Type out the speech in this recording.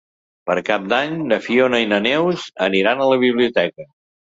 Per Cap d'Any na Fiona i na Neus aniran a la biblioteca.